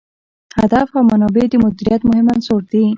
هدف او منابع د مدیریت مهم عناصر دي.